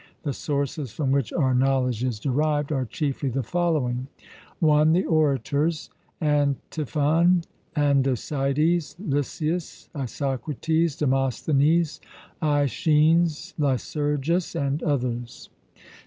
The sources from which our knowledge is derived are chiefly the following: (1) The Orators, Antiphon, Andocides, Lysias, Isocrates, Demosthenes, Aeschines, Lycurgus, and others.